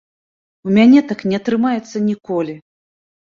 У мяне так не атрымаецца ніколі.